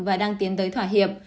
và đang tiến tới thỏa hiệp